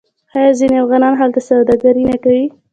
آیا ځینې افغانان هلته سوداګري نه کوي؟